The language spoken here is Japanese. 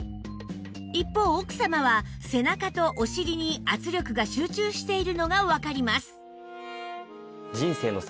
一方奥様は背中とお尻に圧力が集中しているのがわかります